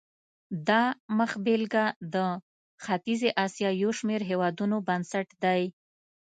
دا مخبېلګه د ختیځې اسیا یو شمېر هېوادونو بنسټ دی.